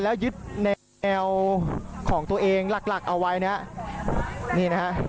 แล้วยึดแนวของตัวเองหลักหลักเอาไว้นะครับนี่นะครับ